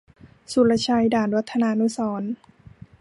สุรชัย ด่านวัฒนานุสรณ์